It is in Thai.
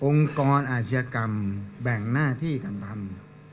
กรอาชญากรรมแบ่งหน้าที่กันทำ